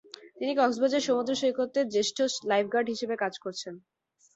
তিনি কক্সবাজার সমুদ্রসৈকতে জ্যেষ্ঠ লাইফগার্ড হিসেবে কাজ করছেন।